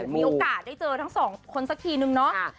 มีโอกาสได้เจอทั้งสองคนสักทีนึงเนาะ